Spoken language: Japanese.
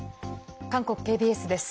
韓国ＫＢＳです。